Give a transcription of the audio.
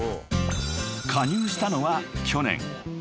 ［加入したのは去年］